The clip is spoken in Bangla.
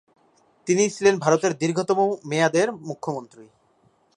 তিনিই ছিলেন ভারতের দীর্ঘতম মেয়াদের মুখ্যমন্ত্রী।